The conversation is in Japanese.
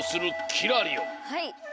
はい。